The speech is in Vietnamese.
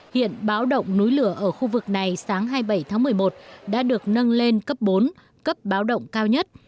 hiện báo động núi lửa ở khu vực này sáng hai mươi bảy tháng một mươi một đã được nâng lên cấp bốn cấp báo động cao nhất